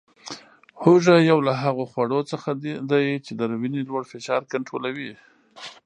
هوګه یو له هغو خوړو څخه دی چې د وینې لوړ فشار کنټرولوي